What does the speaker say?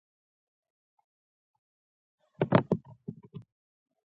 نه سفارت او نه افغانان پرې پوهېدل.